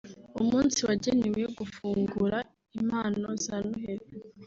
umunsi wagenewe gufungura impano za Noheli